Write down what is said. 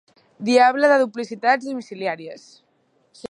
Diable de duplicitats domiciliàries!